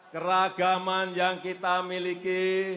keragaman yang kita miliki